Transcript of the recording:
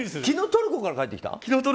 昨日トルコから帰ってきたの？